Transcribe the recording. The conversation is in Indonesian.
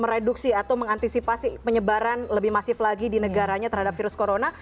mereduksi atau mengantisipasi penyebaran lebih masif lagi di negaranya terhadap virus corona